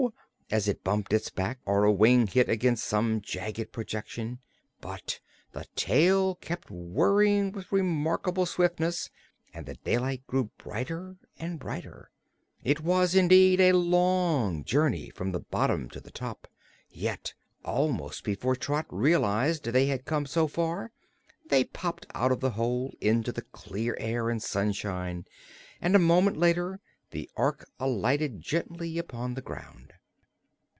as it bumped its back, or a wing hit against some jagged projection; but the tail kept whirling with remarkable swiftness and the daylight grew brighter and brighter. It was, indeed, a long journey from the bottom to the top, yet almost before Trot realized they had come so far, they popped out of the hole into the clear air and sunshine and a moment later the Ork alighted gently upon the ground.